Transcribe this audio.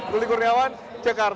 duli kurniawan jakarta